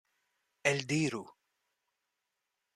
Eldiru!